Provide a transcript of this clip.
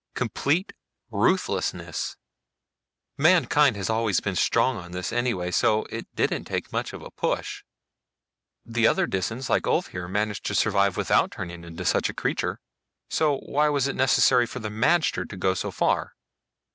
Complete ruthlessness mankind has always been strong on this anyway, so it didn't take much of a push." "The other Disans, like Ulv here, managed to survive without turning into such a creature. So why was it necessary for the magter to go so far?"